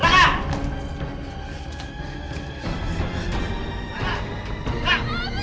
kayak bu bureaucraib dengan kaftif